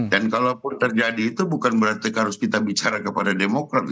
dan kalaupun terjadi itu bukan berarti harus kita bicara kepada demokrat